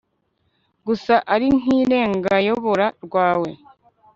gusa ari nk irengayobora rwawe